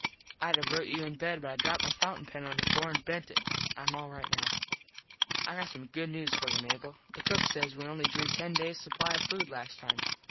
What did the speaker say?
Id have rote you in bed but I dropped my fountin pen on the floor an bent it. Im all right now. I got some news for you, Mable. The cook says we only drew ten days supply of food last time.